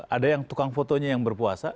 ada yang tukang fotonya yang berpuasa